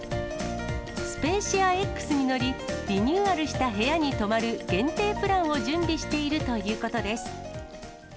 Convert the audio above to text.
スペーシアＸに乗り、リニューアルした部屋に泊まる限定プランを準備しているということです。